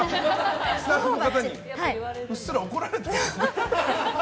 スタッフの方にうっすら怒られてる。